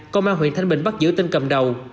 công an tp hcm bắt giữ tên cầm đầu